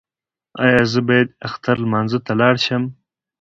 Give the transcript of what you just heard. ایا زه باید اختر لمانځه ته لاړ شم؟